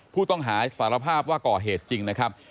ผู้ต้องหาสารภาพว่าก่อเหตุจริงนะครับ